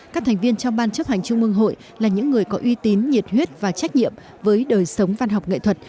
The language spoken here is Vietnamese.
các thành viên trong ban chấp hành trung mương hội là những người có uy tín nhiệt huyết và trách nhiệm với đời sống văn học nghệ thuật